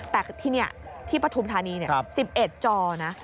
แต่ที่นี่ที่ปฐุมธานี๑๑จอนะ